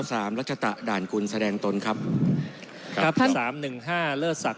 สามรัชฎาด่านกุลแสดงตนครับครับสามหนึ่งห้าเลิศสัก